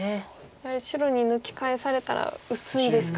やはり白に抜き返されたら薄いですか。